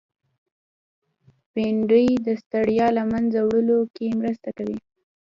بېنډۍ د ستړیا له منځه وړو کې مرسته کوي